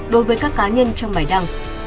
đối với các cá nhân trong bài đăng